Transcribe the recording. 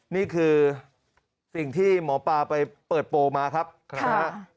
นี่คือสิ่งที่หมอปลาไปเปิดโปรมาครับนะฮะ